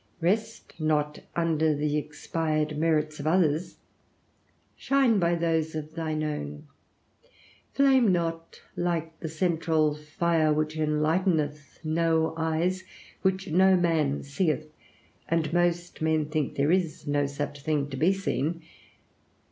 Rest not under the expired merits of others; shine by those of thine own. Flame not, like the central fire which enlighteneth no eyes, which no man seeth, and most men think there is no such thing to be seen.